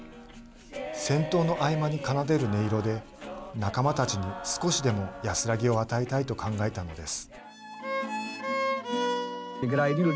戦闘の合間に奏でる音色で仲間たちに少しでも安らぎを与えたいと考えたのです。